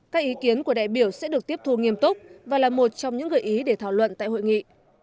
các ý kiến của đại biểu sẽ được tiếp thu nghiêm túc và là một trong những gợi ý để thảo luận tại hội nghị